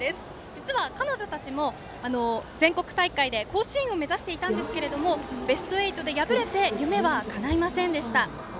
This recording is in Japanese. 実は彼女たちも全国大会で甲子園を目指していたんですけどベスト８で敗れて夢はかないませんでした。